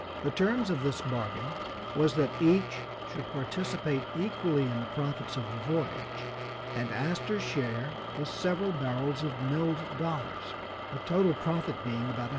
The terms of this bargain was that each should participate equally in the profits of the voyage, and Astor's share was several barrels of milled dollars, the total profit being about $110,000.